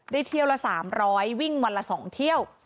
เที่ยวละ๓๐๐วิ่งวันละ๒เที่ยว